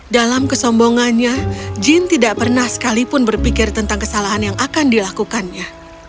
dalam kesombongannya jin tidak pernah sekalipun berpikir tentang kesalahan yang akan dilakukannya